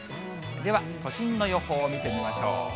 では、都心の予報を見てみましょう。